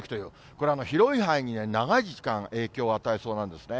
これ、広い範囲に長い時間、影響を与えそうなんですね。